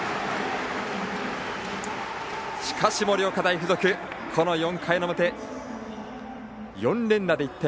しかし盛岡大付属はこの４回の表４連打で１点。